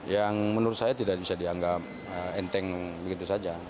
yang menurut saya tidak bisa dianggap enteng begitu saja